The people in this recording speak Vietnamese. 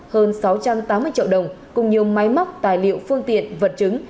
hơn sáu trăm tám mươi triệu đồng cùng nhiều máy móc tài liệu phương tiện vật chứng